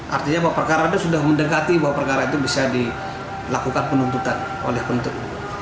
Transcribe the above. artinya bahwa perkara itu sudah mendekati bahwa perkara itu bisa dilakukan penuntutan oleh penuntut